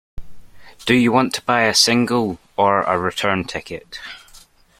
Do you want to buy a single or a return ticket?